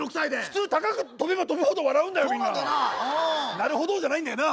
「なるほど」じゃないんだよな。